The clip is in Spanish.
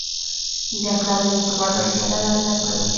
La idea clave de Tobar García era la de la prevención.